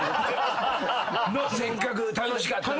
せっかく楽しかったのにな。